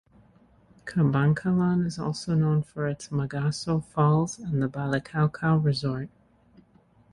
Kabankalan is also known for its "Mag-aso Falls" and the "Balicaocao Resort".